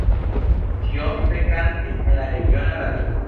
Ŝi ofte kantis en la regiona radio.